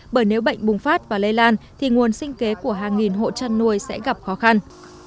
bởi nếu bệnh bùng phát và lây lan thì nguồn sinh kế của hàng nghìn hộ chăn nuôi sẽ gặp khó khăn